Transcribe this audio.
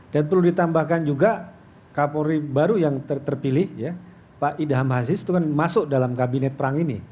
dan perlu ditambahkan juga kapolri baru yang terpilih ya pak idham hasis itu kan masuk dalam kabinet perang ini